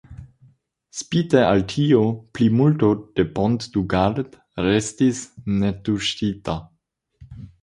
Spite al tio, plimulto de Pont du Gard restis netuŝita.